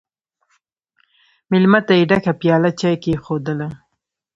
مېلمه ته یې ډکه پیاله چای کښېښودله!